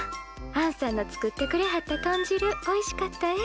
あんさんの作ってくれはった豚汁おいしかったえ。